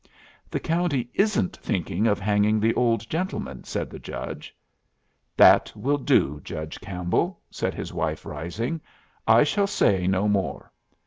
"The county isn't thinking of hanging the old gentleman," said the judge. "That will do, Judge Campbell," said his lady, rising. "I shall say no more.